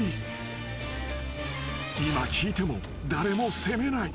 ［今引いても誰も責めない。